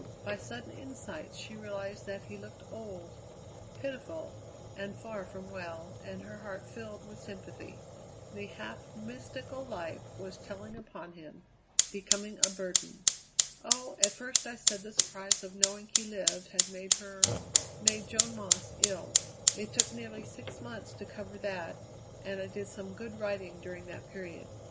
By sudden insight she realized that he looked old, pitiful, and far from well, and her heart filled with sympathy. The half mystical life was telling upon him, becoming a burden. "Oh, at first I said the surprise of knowing he lived had made her, made Joan Moss, ill. It took nearly six months to cover that, and I did some good writing during that period.